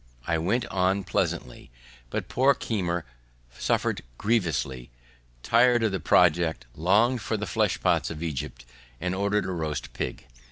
I went on pleasantly, but poor Keimer suffered grievously, tired of the project, long'd for the flesh pots of Egypt, and order'd a roast pig.